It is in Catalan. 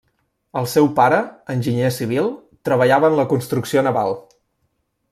El seu pare, enginyer civil, treballava en la construcció naval.